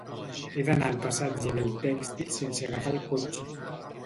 He d'anar al passatge del Tèxtil sense agafar el cotxe.